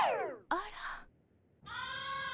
あら。